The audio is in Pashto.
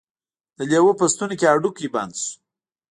د لیوه په ستوني کې هډوکی بند شو.